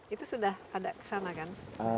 itu sudah ada kesana kan